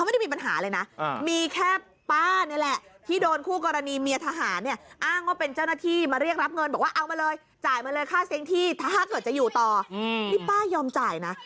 ทีนี้คนอื่นเนี่ยเขาไม่ได้มีปัญหาเลยนะ